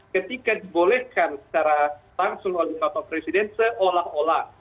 ketika dibolehkan secara langsung oleh bapak presiden seolah olah